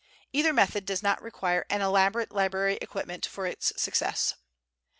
Either method does not require an elaborate library equipment for its success.